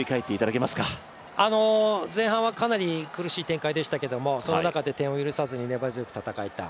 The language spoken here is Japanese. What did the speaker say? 前半はかなり苦しい展開でしたけどもその中で点を許さずに、粘り強く戦えた。